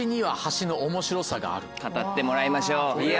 語ってもらいましょう。